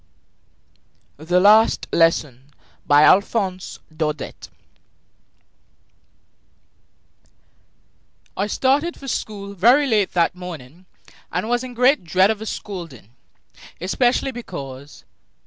THE LAST LESSON BY ALPHONSE DAUDET I started for school very late that morning and was in great dread of a scolding, especially because M.